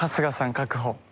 確保。